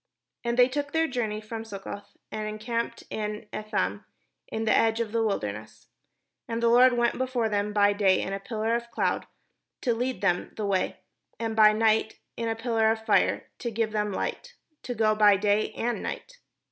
And they took their journey from Succoth, and en camped in Etham, in the edge of the wilderness. And the Lord went before them by day in a pillar of a cloud, to lead them the way; and by night in a pillar of fire, to give them hght; to go by day and night.